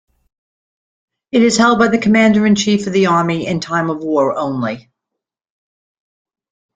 It is held by the commander-in-chief of the Army in time of war only.